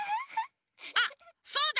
あっそうだ！